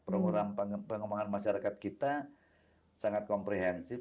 program pengembangan masyarakat kita sangat komprehensif